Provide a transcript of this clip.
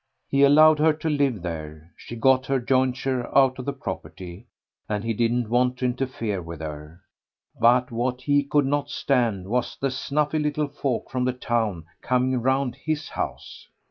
He allowed her to live there, she got her jointure out of the property, and he didn't want to interfere with her, but what he could not stand was the snuffy little folk from the town coming round his house.